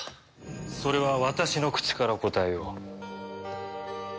それは私の口から答えよう。